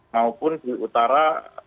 maupun di utara